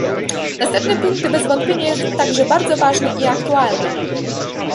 Następny punkt bez wątpienia jest także bardzo ważny i aktualny